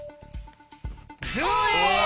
１０位！